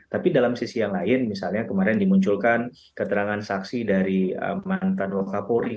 tapi dalam sisi yang lain misalnya kemarin dimunculkan keterangan saksi dari mantan wakapuri